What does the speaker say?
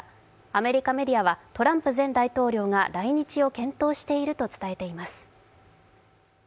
アメリカメディアは、トランプ前大統領が来日を検討していると伝えています。